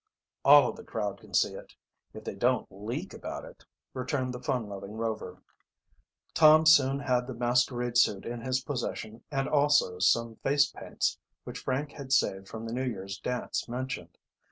"All of the crowd can see it, if they don't leak about it," returned the fun loving Rover. Tom soon had the masquerade suit in his possession and also, some face paints which Frank had saved from the New Year's dance mentioned.